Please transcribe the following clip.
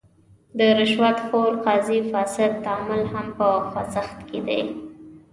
د رشوت خور قاضي فاسد تعامل هم په خوځښت کې دی.